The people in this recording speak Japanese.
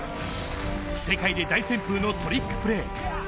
世界で大旋風のトリックプレー。